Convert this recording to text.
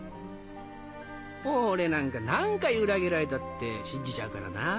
俺なんか何回裏切られたって信じちゃうからなぁ。